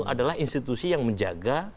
adalah institusi yang menjaga